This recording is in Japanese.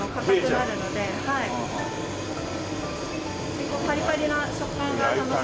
結構パリパリな食感が楽しめます。